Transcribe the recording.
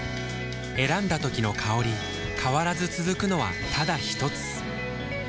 選んだ時の香り変わらず続くのはただひとつ？